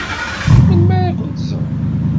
Melmi ad kent-ẓṛen?